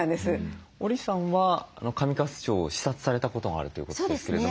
織さんは上勝町を視察されたことがあるということですけれども。